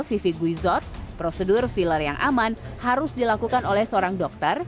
vivi guizot prosedur filler yang aman harus dilakukan oleh seorang dokter